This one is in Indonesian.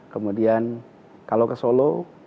kemudian kalau ke solo